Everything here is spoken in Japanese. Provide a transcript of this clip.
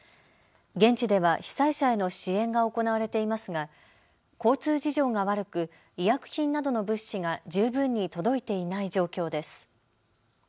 現地では被災者への支援が行われていますが交通事情が悪く医薬品などの物資が十分に届いていない状況です。